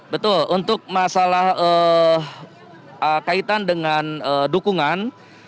betul untuk masalah kaitan dengan dukungan